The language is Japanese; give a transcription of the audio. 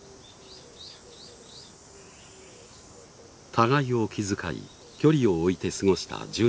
互いを気遣い距離を置いて過ごした１０年間。